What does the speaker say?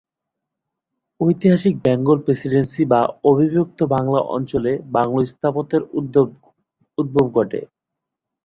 ঐতিহাসিক Bengal Presidency বা অবিভক্ত বাংলা অঞ্চলে ‘বাংলো’ স্থাপত্যের উদ্ভব ঘটে।